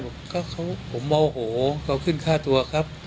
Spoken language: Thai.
ผมโมโหเขาขึ้นฆ่าตัวครับ